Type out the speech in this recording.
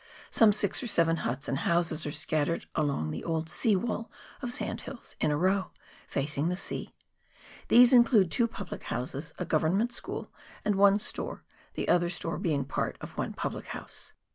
Some six or seven huts and houses are scattered along the old sea wall of sand hills in a row, facing the sea. These include two publichouses, a Government school, and one store, the other store being part of one publichouse.